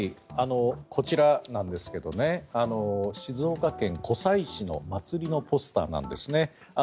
こちらなんですが静岡県湖西市の祭りのポスターなんですね。